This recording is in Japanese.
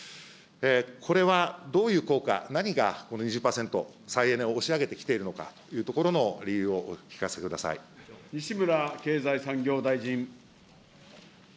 これはどういう効果、何がこの２０％、再エネを押し上げてきているのかというところの理由をお聞かせく西村経済産業大臣。